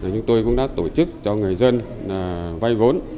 chúng tôi cũng đã tổ chức cho người dân vay vốn